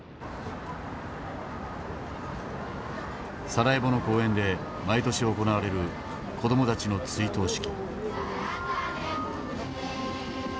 サラエボの公園で毎年行われる子どもたちの追悼式。